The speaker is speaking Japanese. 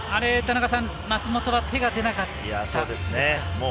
松本は手が出なかった。